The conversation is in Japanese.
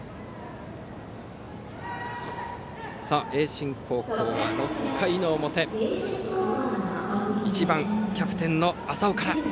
盈進高校は６回の表１番、キャプテンの朝生から。